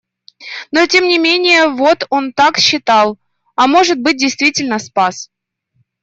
Но, тем не менее, вот он так считал, а может быть, действительно спас.